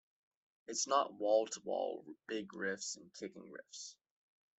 It's not wall to wall big riffs and kicking riffs.